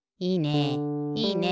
いいね！